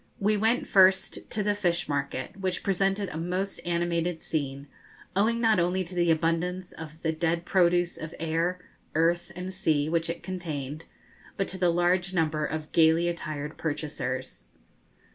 We went first to the fish market, which presented a most animated scene, owing not only to the abundance of the dead produce of air, earth, and sea, which it contained, but to the large number of gaily attired purchasers.